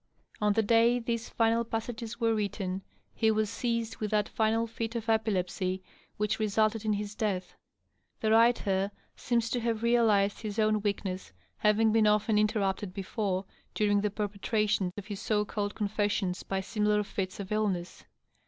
On the day these final passages were written he was seized with that final fit of epilepsy which resulted in his death. The writer seems to have realized his own weakness, having been often interrupted before during the perpetration of his so called confessions by similar fits of illness.